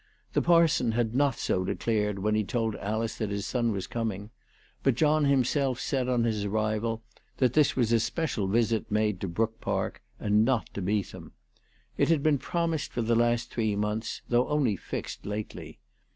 The parson had not so declared when he told Alice that his son was coming, but John himself said on his arrival that this was a special visit made to Brook Park, and not to Beetham. It had been promised for the last three months, though only fixed lately.